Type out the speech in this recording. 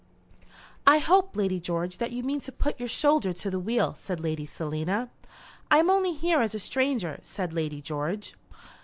"I hope, Lady George, that you mean to put your shoulder to the wheel," said Lady Selina. "I am only here as a stranger," said Lady George.